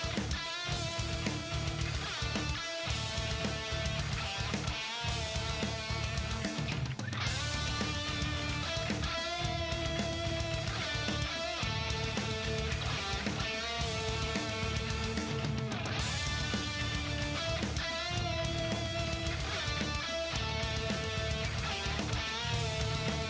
เจ้าชาย